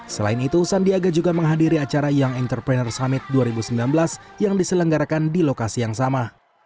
selain itu sandiaga juga menghadiri acara young entrepreneur summit dua ribu sembilan belas yang diselenggarakan di lokasi yang sama